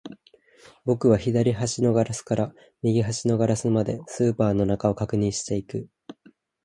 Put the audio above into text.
僕は左端のガラスから右端のガラスまで、スーパーの中を確認していく